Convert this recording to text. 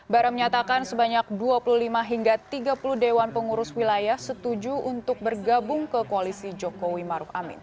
bara menyatakan sebanyak dua puluh lima hingga tiga puluh dewan pengurus wilayah setuju untuk bergabung ke koalisi jokowi maruf amin